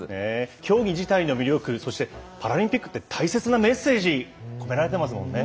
競技自体の魅力、そしてパラリンピックって大切なメッセージ入っていますもんね。